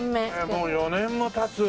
もう４年も経つ。